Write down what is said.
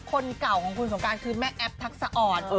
คนเก่าของคุณสงการคือแม่แอปทักษะอ่อน